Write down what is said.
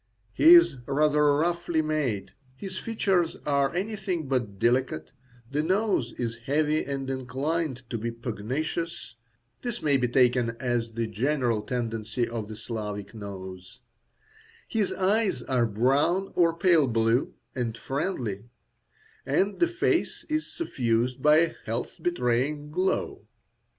He is rather roughly made, his features are anything but delicate, the nose is heavy and inclined to be pugnacious (this may be taken as the general tendency of the Slavic nose), his eyes are brown or pale blue, and friendly, and the face is suffused by a health betraying glow.